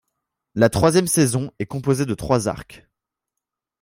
La troisième saison est composée de trois arcs.